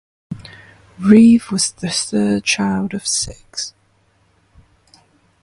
Reeve was the third child of six.